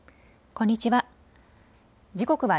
こんにちは。